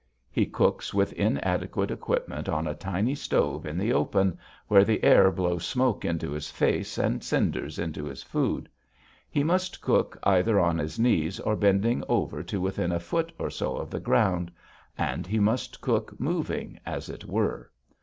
He cooks with inadequate equipment on a tiny stove in the open, where the air blows smoke into his face and cinders into his food. He must cook either on his knees or bending over to within a foot or so of the ground. And he must cook moving, as it were.